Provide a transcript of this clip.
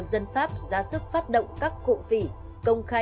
trả lời trả lời australia trên vquentri